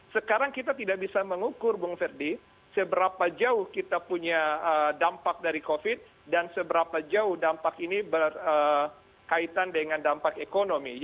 sekarang kita tidak bisa mengukur bung ferdi seberapa jauh kita punya dampak dari covid dan seberapa jauh dampak ini berkaitan dengan dampak ekonomi